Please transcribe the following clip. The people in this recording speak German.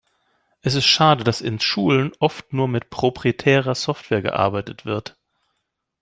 Es ist schade, dass in Schulen oft nur mit proprietärer Software gearbeitet wird.